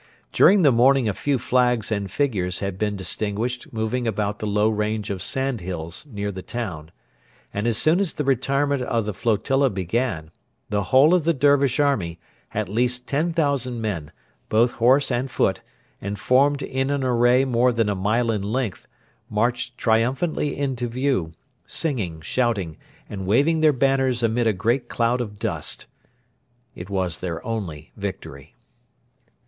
During the morning a few flags and figures had been distinguished moving about the low range of sandhills near the town; and as soon as the retirement of the flotilla began, the whole of the Dervish army, at least 10,000 men, both horse and foot, and formed in an array more than a mile in length, marched triumphantly into view, singing, shouting, and waving their banners amid a great cloud of dust. It was their only victory.